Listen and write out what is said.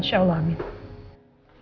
insya allah amin